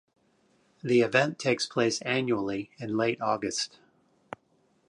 The event takes place annually in late August.